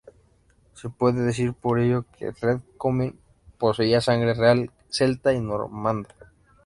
Se puede decir por ello que Red Comyn poseía sangre real celta y normanda.